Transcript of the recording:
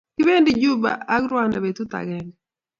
kipendi juba ak rwanda betut ageng